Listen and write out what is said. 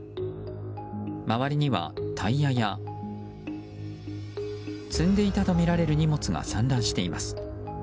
周りにはタイヤや積んでいたとみられる荷物が散乱しています。